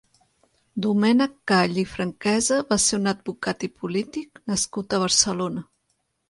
Domènec Call i Franquesa va ser un advocat i polític nascut a Barcelona.